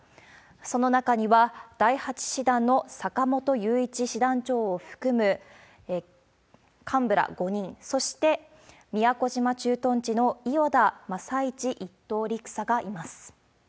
その中には、第８師団の坂本雄一師団長を含む幹部ら５人、そして宮古島駐屯地の伊與田雅一１等陸佐がいます。